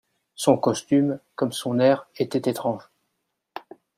Son costume, comme son air, était étrange.